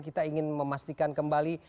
kita ingin memastikan kembali